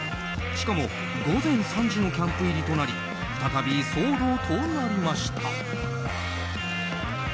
しかも午前３時のキャンプ入りとなり再び騒動となりました。